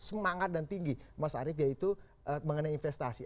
semangat dan tinggi mas arief yaitu mengenai investasi